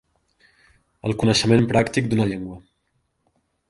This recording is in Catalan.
El coneixement pràctic d'una llengua.